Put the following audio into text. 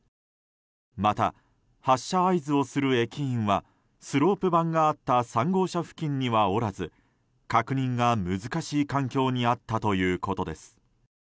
また、発車合図をする駅員はスロープ板があった３号車付近にはおらず確認が難しい環境にあったということです。